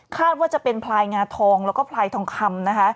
ว่าจะเป็นพลายงาทองแล้วก็พลายทองคำนะคะ